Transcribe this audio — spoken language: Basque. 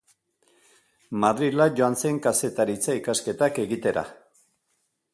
Madrila joan zen kazetaritza ikasketak egitera.